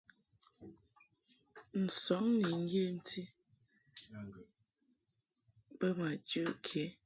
Nsɔŋ ni ŋgyemti bo ma jɨ ke.